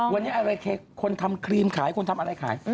วันนี้อะไรคนทำครีมขายคนทำอะไรขาย